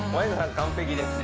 完璧ですね